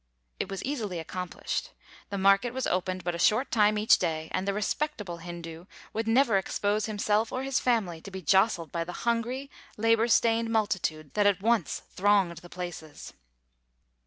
It was easily accomplished. The market was opened but a short time each day; and the "respectable" Hindoo would never expose himself or his family to be jostled by the hungry labor stained multitude that at once thronged the places.